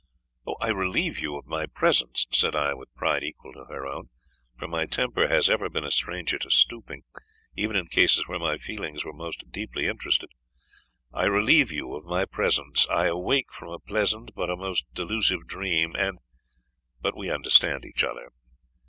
"I relieve you of my presence," said I, with pride equal to her own; for my temper has ever been a stranger to stooping, even in cases where my feelings were most deeply interested "I relieve you of my presence. I awake from a pleasant, but a most delusive dream; and but we understand each other."